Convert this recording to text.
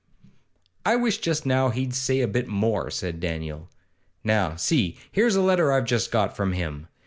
'I wish just now as he'd say a bit more,' said Daniel. 'Now, see, here's a letter I've just got from him.